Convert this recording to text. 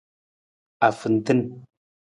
Ahuntung.